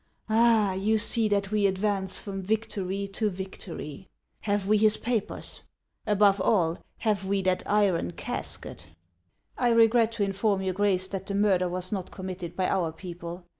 " Ah, you see that we advance from victory to victory. Have we his papers ? Above all, have we that iron casket ?"" I regret to inform your Grace that the murder was not committed by our people.